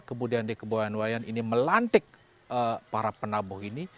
kemudian d kebayan wayan ini melantik para penabuh ini